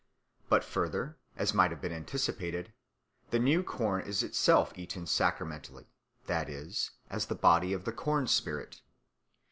But further, as might have been anticipated, the new corn is itself eaten sacramentally, that is, as the body of the corn spirit.